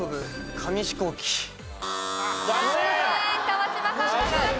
川島さん脱落です。